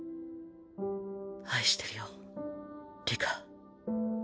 愛してるよ里香。